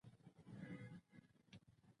کوتره د ماشوم غږ ته ځواب وايي.